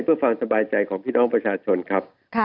เพื่อความสบายใจของพี่น้องประชาชนครับ